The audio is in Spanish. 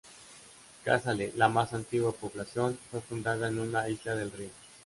Casale, la más antigua población, fue fundada en una isla del río.